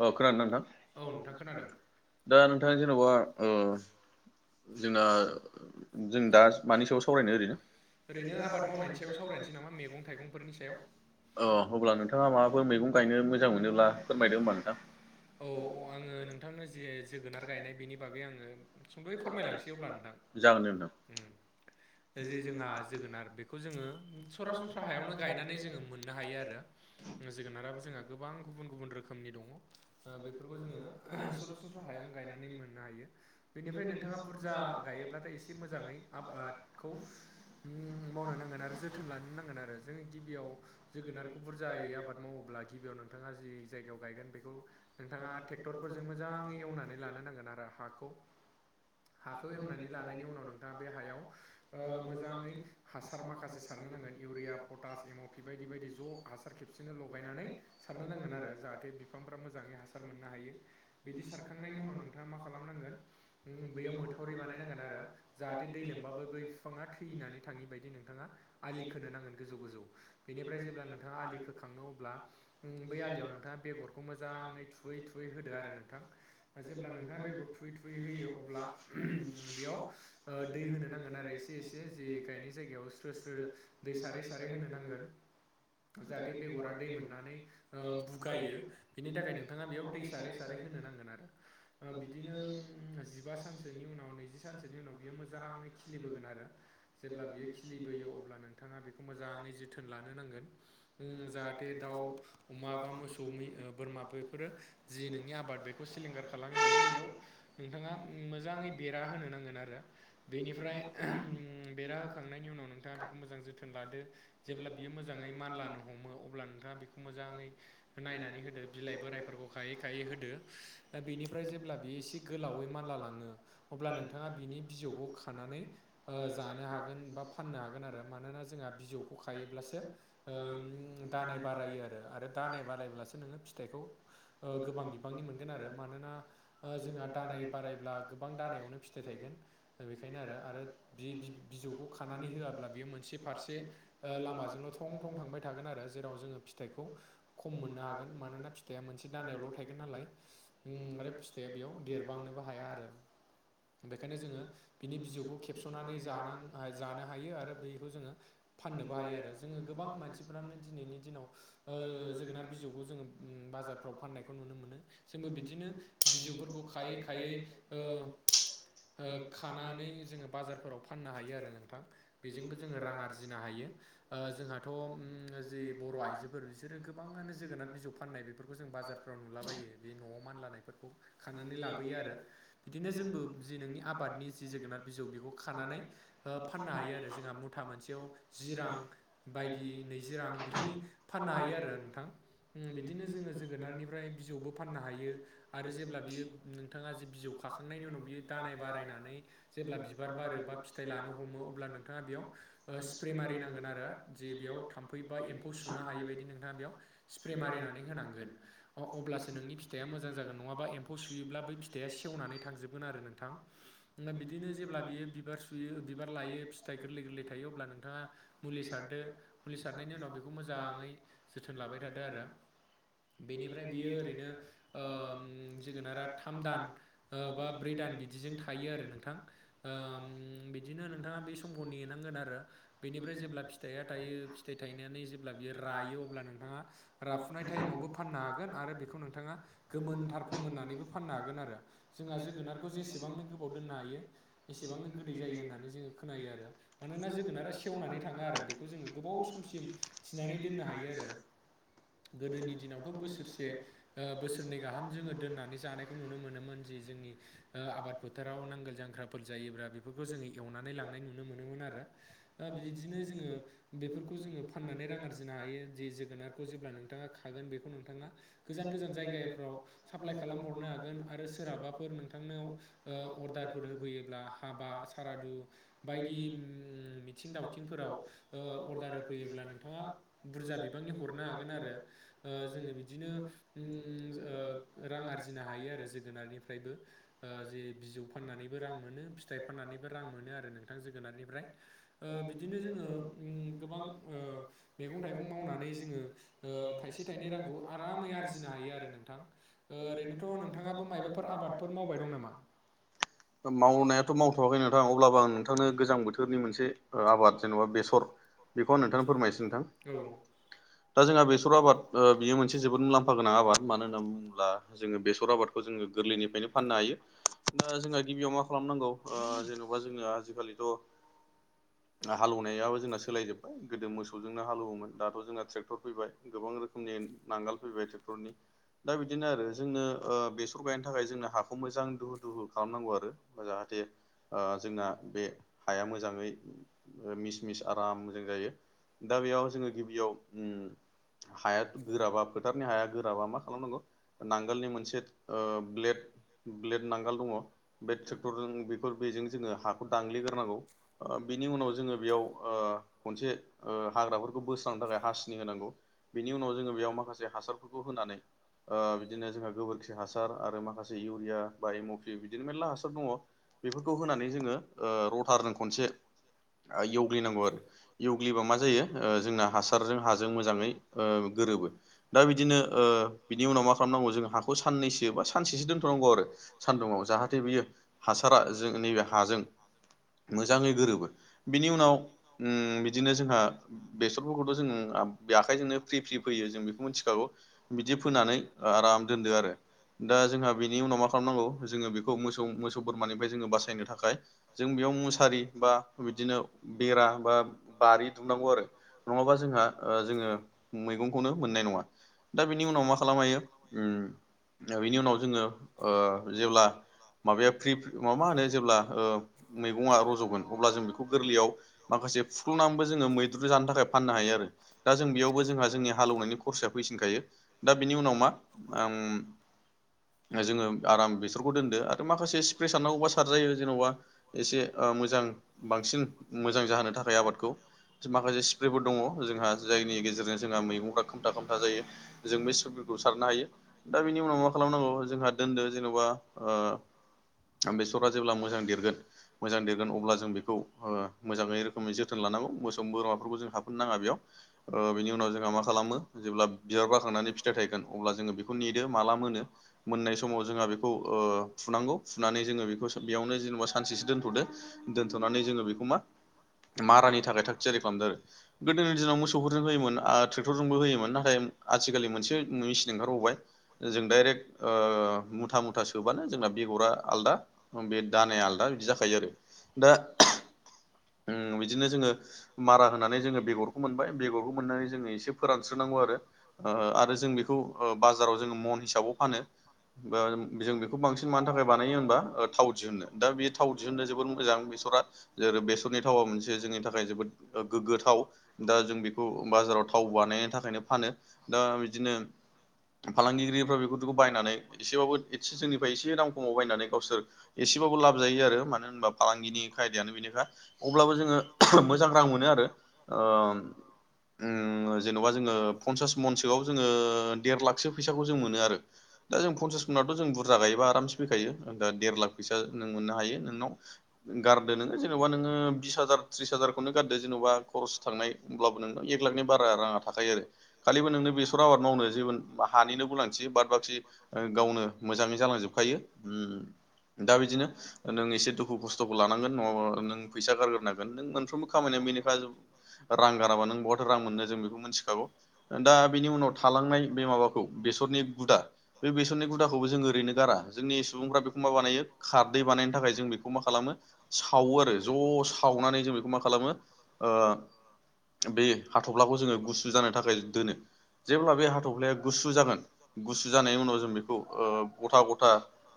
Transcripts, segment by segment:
औ खोनानो नथां दा नोंथां जेन'बा जोंना जों दा मानि सायाव सावरायनो ओरैनो? ओरैनो आबाद मावनायनि सायाव सावरायनोसै नामा मैगं थाइगंफोरनि सायाव। अ अब्ला नोंथाङा माबाफोर मैगं गायनो मोजां मोनोब्ला फोरमायदो होमबा नोंथां। औ आङो नोंथांनो जे जोगोनार गायनाय बेनि बागै आङो सुंद'यै फोरमायलांसै अब्ला नोंथां जे जोंहा जोगोनार बेखौ जोङो सरासनस्रा हायावनो गायनानै जोङो मोननो हायो आरो जोगोनाराबो जोंहा गोबां गुबुन गुबुन रोखोमनि दङ बेफोरखौ जोङो सरासनस्रा हायावंनो गायनानै मोननो हायो बेनिफ्राय नोंथाङा बुरजा गायोब्लाथाय एसे एसे मोजाङै आबादखौ मावनो नांगोन आरो जोथोन लानो नांगोन आरो जों गिबियाव जोगोनारखौ बुरजाायै आबाद मावोब्ला गिबियाव नोंथाङा जि जायगायाव गायगोन बेखौ नोंथाङा ट्रेक्टरफोरजों मोजाङै एवनानै लानो नांगोन आरो हाखौ हाखौ एवनानै लानायनि उनाव नोंथाङा बे हायाव मोजाङै हासार माखासे सारनो नांगोन इउरिया पटास एम'पि बायदि बायदि ज' हासार खेबसेनो लगायनानै सारनो नांगोन आरो जाहाथे बिफांफ्रा मोजाङै हास मोननो हायो बिदि सारखांनायनि उनाव नोंथाङा मा खालामनांगोन बैयाव मोथावरि बानायनांगोन आरो जाहाथे दै लोमबाबो बै बिफाङा थैनानै थाङि बायदि नोंथाङा आलि खोनो नांगोन गोजौ गोजौ बेनिफ्राय जेब्ला नोंथाङा आलि खोखाङनो अब्ला बै आलियाव नोंथाङा बेगरखौ मोजाङै थुयै थुयै होदो आरो नोंथां दा जेब्ला नोंथाङा बेगर थुयै थुयै होयो अब्ला बेयाव दै होनो नांगोन आरो एसे एसे जि गायनाय जायगायाव स्रो स्रो दै सारै सारै होनो नांगोन जाहाथे बेगरा दै मोननानै बुगायो बेनि थाखाय नोंथाङा बेयाव दै सारै सारै होनोनांगोन आरो ओ बिदिनो जिबा सानसोनि उनाव नैजि सानसोनि उनाव बियो मोजाङै खिलिबोगोन आरो जेब्ला बियो खिलिबोयो अब्ला नोंथाङा बेखौ मोजाङै जोथोन लानो नांगोन। जाहाथे दाउ अमा बा मोसौ मै बोरमा बेफोरो जि नोंनि आबाद बेखौ सिलिंखार खालाम बायदि बेयाव नोंथाङा मोजाङै बेरा होनो नांगोन आरो बेनिफ्राय बेरा हो खांनायनि उनाव नोंथाङा बेखौ मोजां जोथोन लादो जेब्ला बियो मोजाङै मानलानो हमो अब्ला नोंथाङा बेखौ मोजाङै नायनानै होदो बिलाइ बोराय फोरखौ खायै खायै होदो दा बेनिफ्राय जेब्ला बेयो एसे गोलावै माला लाङो अब्ला नोंथाङा बिनि बिजौखौ खानानै जानो हागोन बा फाननो हागोन आरो मानोना जोंहा बिजौखौ खायोब्लासो उम दानाय बारायो आरो आरो दानाय बारायब्लासो नोङो फिथाइखौ गोबां बिबांनि मोनगोन आरो मानोना जोंहा दानाय बारायब्ला गोबां दानायावनो फिथाइ थायगोन। बेखायनो आरो आरो बे बिजौखौ खानानै होआब्ला बियो मोनसे फारसे लामाजोंल' थं थं थांबाय थागोन आरो जेराव जोङो फिथाइखौ खम मोननो हागोन मानोना फिथाइआ मोनसे दानायावल' थायगोन नालाय ओमफ्राय फिथाइया बेयाव देरबांनोबो हाया आरो बेखायनो जोङो बिनि बिजौखौ खेबस'नानै जान जानो हायो आरो बेखौ जोङो फाननोबो हायो आरो जोङो गोबां मानसिफ्रानो दिनैनि दिनाव ओ जोगोनार बिजौखौ जोङो बाजारफ्राव फाननायखौ नुनो मोनो जोंबो बिदिनो बिजौफोरखौ खायै खायै ओ ओ खानानै जोङो बाजारफोराव फाननो हायो आरो नोंथां बेजोंबो जोङो रां आरजिनो हायो। जोंहाथ' जि बर' आइजोफोर बिसोरो गोबाङानो जोगोनार बिजौ फाननाय खौ जों बाजारफ्राव नुलाबायो बे न'आव मानलाानायफोरखौ खानानै लाबोयो आरो बिदिनो जोंबो जि नोंनि आबादनि जि जोगोनार बिजौ बेखौ खानानै फाननो हायो आरो जोंहा म मुथा मोनसेयाव जि रां बायदि नैजि रां बिदि फाननो हायो आरो नोंथां बिदिनो जोङो जोगोनारनिफ्राय बिजौबो फाननो हायो आरो जेब्ला बियो नोंथाङा जे बिजौ खाखांनायनि उनाव बियो दानाय बारायनानै जेब्ला बिबार बारो बा फिथाइ लानो हमो अब्ला नोंथाङा बेयाव स्प्रे मारि नांगोन आरो जे बेयाव थाम्फै बा एम्फौ सुनो हायि बायदि नोंथाङा बेयाव स्प्रे मारिनानै होनांगोन। अ अब्लासो नोंनि फिथाइया मोजां जागोन नङाबा एम्फौ सुयोब्ला बै फिथाइया सेवनानै थांजोबगोन आरो नोंथां बिदिनो जेब्ला बियो बिबार सुयो बिबार लायो फिथाइ गोरलै गोरलै थायो अब्ला नोंथाङा मुलि सारदो मुलि सारनायनि उनाव बेखौ मोजाङै जोथोन लाबाय थादो आरो बेनिफ्राय बियो ओरैनो ओम जोगोनारा थाम दान बा ब्रै दान बिदिजों थायो आरो नोंथां ओ बिदिनो नोंथाङा बे समखौ नेनांगोन आरो। बेनिफ्राय जेब्ला फिथाइया थायो फिथाइ थायनानै जेब्ला बियो रायो अब्ला नोंथाङा राफुनाय टायेमावबो फाननो हागोन आरो बेखौ नोंथाङा गोमोनथार फोमोननानैबो फाननो हागोन आरो जोंहा जोगोनार खौ जेसेबांनो गोबाव दोननो हायो एसेबांनो गोदै जायो होननानै जोङो खोनायो आरो। मानोना जोगोनारा सेवनानै थाङा आरो बेखौ जोङो गोबाव समसिम थिनानै दोननो हायो आरो। गोदोनि दिनावथ' बोसोरसे बोसोरनै गाहाम जोङो दोननानै जानाय खौ नुनो मोनोमोन जे जोंनि आबाद फोथाराव नांगोल जांख्राफोर जायोब्ला बेफोरखौ जोङो एवनानै लांनाय नुनो मोनोमोन आरो। बिदिनो जोङो बेफोरखौ जोङो फाननानै रां आरजिनो हायो ज जोगोनारखौ जेब्ला नों नोंथाङा खागोन बेखौ नोंथाङा गोजान गोजान जायगाफ्राव साप्लाइ खालामहरनो हागोन आरो सोरहाबाफोर नोंथां नो ओ अर्डारफोर होफैयोब्ला हाबा सारादु बायदि उम मिथिं दावथिंफोराव अर्डार होफैयोब्ला नोंथाङा बुरजा बिबांनि हरनो हागोन आरो। जोङो बिदिनो ओ रां आरजिनो हायो आरो जोगोनारनिफ्रायबो। जे बिजौ फाननानैबो रां मोनो फिथाइ फाननानैबो रां मोनो आरो नोंथां जोगोनारनिफ्राय। बिदिनो जोङो गोबां ओ मैगं थाइगं मावनानै जोङो थायसे थाइनै रांखौ आरामै आरजिनो हायो आरो नोंथां ओरैनोथ' नोंथाङाबो मायबाफोर आबादफोर माव बाय दं नामा? मावनायाथ' मावथ'वाखै नोंथां अब्लाबो आं नोंथांनो गोजां बोथोरनि मोनसे आबाद जेन'बा बेसर बेखौं नोंथांनो फोरमायनोसै नोंथां। दा जोंहा बेसर आबाद ओ बियो मोनसे जोबो मलाम्फा गोनां आबाद मानो होनना बुङोब्ला जोङो बेसर आबादखौ जोङो गोरलैनिफ्रायनो फाननो हायो दा जोंहा गिबियाव मा खालामनांगौ, गौ आ जेनेबा जोंङो आजिखालिथ' हालेवनायाबो जोंना सोलायजोब गोदो मोसौजोंनो हालौवोमोन दाथ' जोंना ट्रेक्टर फैबाय गोबां रो नि नांगाल फैबाय ट्रेक्टरनि दा बिदिनो आरो जोंनो ओ बेसर गायनो थाखाय हाखौ मोजां दुफु दुफु गुुल खालामनांगौ आरोा जाहाथे ओ जोंना बे हाया मोजाङै मिस मिस आरामजों जायो। दा बेयाव जोङो गिबियाव ओम हाया गोराबा फोथारनि हाया गोराबा मा खालामनांगौ? नांगोलनि मोनसे ओ ब्लेड ब्लेड नांगाल दङ, बे ट्रेक्टरजों बेखौ बेजों जोङो हाखौ दांग्लिग्रोनांगौ। ओ बिनि उनाव जोङो बेयाव ओ खनसे ओ हाग्राफोरखौ बोस्रांनो थाखाय हासिनि होनांगौ बेनि उनाव जोङो बेयाव माखासे हासारफोरखौ होनानै ओ बिदिनो जोंहा गोबोरखि हासार आरो माखासे इउ रिया बाय मुफि बिदिनो मेर्ला हासार दङ। बेफोरखौ होनानै जोङो ओ रथारजों खनसे एवग्लिनांगौ आरो। इवग्लिबा मा जायो ओ जोंना हासारजों हाजों मोजाङै ओ गोरोबो। दा बिदिनो ओ बिनि उनाव मा खालामनांगौ जों हाखौ साननैसो बा सानसेसो दोन आरो सान्दुंङाव जाहाथे बियो हासारा जों नैबे हाजों मोजाङै गोरोबो। बिनि उनाव ओम बिदिनो जोंहा बेसरफोरखौथ' जों ओ बे आखाइजोंनो फ्रि फ्रि फैयो जों बेखौ मिथिखागौ। फोनानै आराम दोनदो आरो। दा जोंनि उनाव मा खालामनांगौ जोङो बेखौ मोसौ मैसो मानिफ्राय जोङो बासायनो थाखाय जों बेयाव मुसारि बा बिदिनो बेरा बा बारि दुमनांगौ आरो। नङाबा जोंहा ओ जोङो मैगंखौनो मोननाय नङा। दा बिनि उनाव मा खालामायो बिनि उनाव जोङो ओ जेब्ला माबाया फ्रि माबा मा होनो जेब्ला ओ मैगङा रज'गोन अब्ला जों बेखौ गोरलैयाव माखासे फुख्ल'नानैबो जोङो मैद्रु जानो थाखाय फाननो हायो आरो। दा जों बेयावबो जोंहा जोंनि हालेवनायनि खरसाया फैसिनखायो। दा बिनि उनाव मा ओम जोङो आराम बेसरखौ दोनदो आरो माखासे स्प्रे सारनांगौबा सारजायो जेन'बा एसे आ मोजां बांसिन मोजां जाहोनो थाखाय आबादखौ माखासे स्प्रेफोर दङ जोंहा जायनि गेजेरजों जोंहा मैगंफ्रा खामथा खामथा जायो। जों बे सुफोरखौ सारनो हायो दा बेनि उनाव मा खालामनांगौ दोनदो जेन'बा ओ बेसरा जेब्ला मोजां देरगोन मोजां देरगोन अब्ला जों बेखौ ओ मोजाङै रोखोमै जोथोन लानांगौ मोसौ बोरमाफोरखौ जों हाफनो नाङा बेयाव ओ बिनि उनाव जोंहा मा खालामो जेब्ला बिबार - फाखांनानै फिथाइ थायगोन अब्ला जोङो बेखौ नेदो माला मोनो मोननाय समाव जोंहा बेखौ ओ फुनांगौ फुनानै जोङो बेखौो बेयावनो जेनेबा सानसेसो दोन्थ'दो दोनथ'नानै जोङो बेखौ मा मारानि थाखाय थाग थियारि खालामदों आरो गोदोनि दिनाव मोसौफोरजों होयोमोन आरो ट्रेक्टरजोंबो होयोमोन नाथाय आथिखालि मोनसे मेचन ओंखारबावबाय जों डाइरेक्ट ओ मुथा मुथा सोबानो जोंना बेगरा आलादा बे दानाया आलादा बिदि जाखायो आरो दा ओम बिदिनो जोङो मारा होनानै जोङो बेगरखौ मोनबाय बेगरखौ मोननानै जोङो एसे फोरानस्रोनांगौ आरो ओ आरो जों बेखौ बाजाराव जोङो मन हिसाबाव फानो बा जों बेखौ बांसिन मानो थाखाय बानायो होनबा थाव दिहुननो दा बे थाव दिहुननो जोबोर मोजां बेसरा जेरै बेसरनि थावा मोनसे जोंनि थाखाय जोबोद गोगो थाव दा जों बेखौ बाजाराव थाव बानायनो थाखायनो फानो दा बिदिनो फालांगगिरिफ्रा बेखौथ' बायनानै एसेबाबो एसे जोंनिफ्राय एसे रां खमाव बायनानै गावसोर एसेबाबो लाब जायो आरो मानो होनबा फालांगिनि खायदायानो बेनोखा अब्लाबो जोङो मोजां रां मोनो आरो ओम उम जेन'बा जोङो पनसास मनसोआव जोङो देर लाखसो फैसाखौ जों मोनो आरो दा जों फनसास मनथ' जों बुरजा गायोबा आरामसे फैखायो दा देर लाख फैसा नों मोननो हायो नोंनाव गारदो नोङो जेनेबा नोङो बिस हाजार त्रिस हाजारखौनो गारदो जेन'बा खरस थांनाय हब्लाबो नोंनाव एक लाखनि बारा राङा थाखायो आरो खालिबो नोंनो बेसर आबाद मावनो जे हानिनो गोनांथि बाट बाखि गावनो मोजाङै जालांजोबखायो उम दा बिदिनो नों एसे दुखु खस्थ'खौ लानांगोन नङाबा नों फैसा गारग्रोनांगोन नों मोनफ्रोमबो खामानिया बेनिखा रां गाराबा नों बहाथो रां मोनो जों बेखौ मिथिखागौ दा बेनि उनाव थालांनाय बे माबाखौ बेसरनि गुदा बे बेसननि गुदाखौबो जोंङो ओरैनो गारा जोंनि सुबुंफ्रा बेखौ मा बानायो खारदै बानायनो थाखाय जों बेखौ मा खालामो सावो आरो ज' सावनानै जों बेखौ मा खालामो ओ बे हाथ'फ्लाखौ जोङो गुसु जानो थाखाय दोनो जेब्ला बे हाथ'फ्लाया गुसु जागोन गुसु जानायनि उनाव जों बेखौ ओ गथा गथा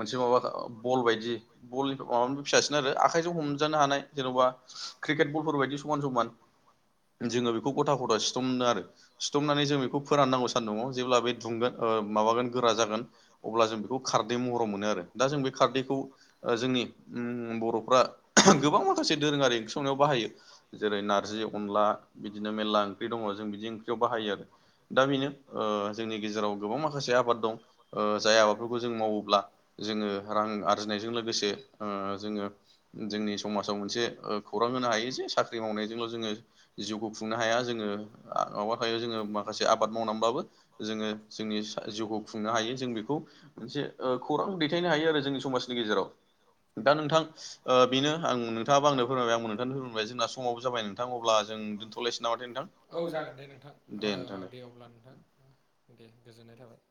मोनसे माबा बल बायदि बल अन फिसासिन आरो आखाइजों हमजानो हानाय जेन'बा क्रिकेट बलफोर बायदि समान समान जोङो बेखौ गथा गथा सिथमनो आरो सिथमनानै जों बेखौ फोराननांगौ सान दङ जेब्ला बे दुंगोन ओ माबागोन गोरा जागोन अब्ला जों बेखौ खारदै महराव मोनो आरो दा जों बे खारदैखौ ओ जोंनि उम बर'फ्रा गोबां माखासे दोरोङारि ओंख्रिंनायाव बाहायो। जेरै नारजि, अनला बिदिनो मेरला ओंख्रि दङ जों बिदि ओंख्रियाव बाहायो आरो दा बेनो ओ जोंनि गेजेराव गोबां माखासे आबाद दं। ओ जाय आबादफोरखौ जों मावोब्ला जोङो रां आरजिनायजों लोगोसे ओ जोङो जोंनि समाजाव मोनसे ओ खौरां होनो हायो जे साख्रि मावनायजोंल' जोङो जिउखौ खुंनो हाया जोङो माबा थायो जोङो माखासे आबाद मावनानैब्लाबो जोङो जोंनि जिउखौ खुंनो हायो जों बेखौ मोनसे ओ खौरां दैथायनो हायो आरो जोंनि समाजनि गेजेराव दा नोंथां ओ बेनो आं थाङाबो आंनो फोरमाय आं नोंथांनो फोरमायबाय जोंना समावबो जाबाय नोंथां अब्ला जों दोनथ'लायसै नामाथथाय नोंथां। जागोन दे नोंथां ओ दे अब्ला नोंथां। दे गोजोननाय थाबाय।